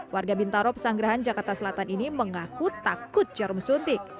warga bintaro pesanggerahan jakarta selatan ini mengaku takut jarum suntik